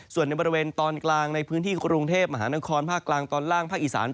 ส่วนในบริเวณตอนกลางในพื้นที่กรุงเทพมหานครภาคกลางตอนล่างภาคอีสาน